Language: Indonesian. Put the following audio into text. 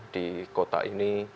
di kota ini